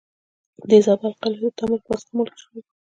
د تیزابو او القلیو د تعامل په واسطه مالګې جوړیږي.